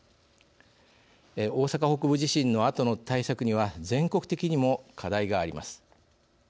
大阪北部地震のあとの対策には全国的にも課題があります。